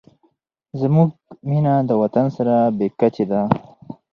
زموږ مینه د وطن سره بې کچې ده.